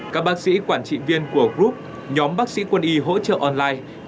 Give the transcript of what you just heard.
các bác sĩ quản trị viên của group nhóm bác sĩ quân y hỗ trợ online